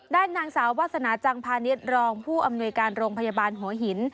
ด้านนางสาววาสนาจังพาณิชย์รองผู้อำนวยการโรงพยาบาลหัวหิน